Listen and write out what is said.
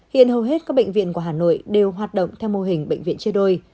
hiện hầu hết các bệnh viện của hà nội đều hoạt động theo mô hình bệnh viện chia đôi